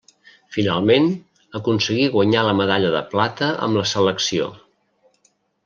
Finalment aconseguí guanyar la medalla de plata amb la selecció.